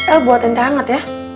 eh buat ente hangat ya